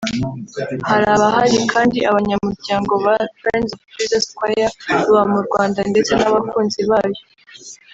Harabahari kandi abanyamuryango ba Friends of Jesus choir baba mu Rwanda ndetse n’abakunzi bayo